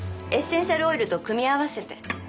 エッセンシャルオイルと組み合わせて。